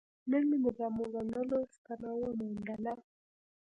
نن مې د جامو ګنډلو ستنه وموندله.